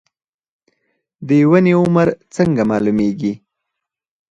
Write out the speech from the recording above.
د ونې عمر څنګه معلومیږي؟